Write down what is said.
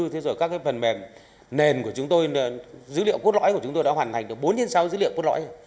thế rồi các cái phần mềm nền của chúng tôi dữ liệu quốc lõi của chúng tôi đã hoàn thành được bốn sáu dữ liệu quốc lõi